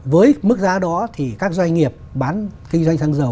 với mức giá đó thì các doanh nghiệp bán kinh doanh xăng dầu